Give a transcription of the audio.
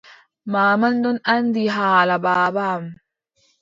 Manman ɗon anndi haala baaba am.